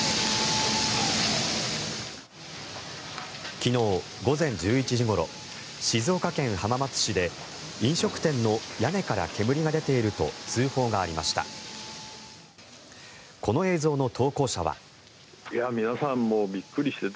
昨日午前１１時ごろ静岡県浜松市で飲食店の屋根から煙が出ていると通報がありました。